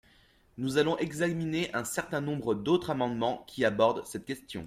Nous allons examiner un certain nombre d’autres amendements qui abordent cette question.